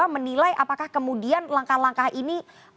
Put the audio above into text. menilai apakah kemudian langkah langkah ini